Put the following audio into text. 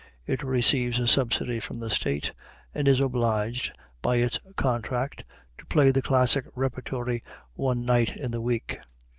It receives a subsidy from the State, and is obliged by its contract to play the classic repertory one night in the week.